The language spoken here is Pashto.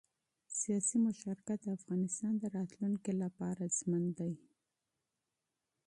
سیاسي مشارکت د افغانستان د راتلونکي لپاره حیاتي دی